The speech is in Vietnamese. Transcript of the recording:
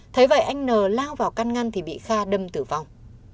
thế vậy anh n lao vào căn ngăn thì bị kha đâm tử vong